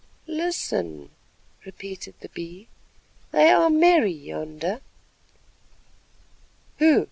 "Listen," repeated the Bee, "they are merry yonder." "Who?"